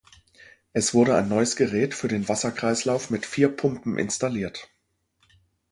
Es wurde ein neues Gerät für den Wasserkreislauf mit vier Pumpen installiert.